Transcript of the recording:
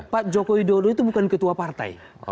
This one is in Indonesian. pak jokowi dodo itu bukan ketua partai